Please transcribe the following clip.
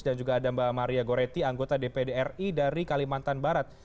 dan juga ada mbak maria goretti anggota dpri dari kalimantan barat